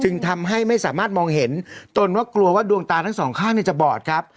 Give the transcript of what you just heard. ทำให้ไม่สามารถมองเห็นตนว่ากลัวว่าดวงตาทั้งสองข้างจะบอดครับ